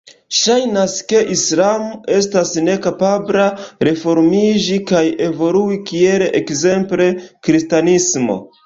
Ŝajnas, ke islamo estas nekapabla reformiĝi kaj evolui kiel ekzemple kristanismo.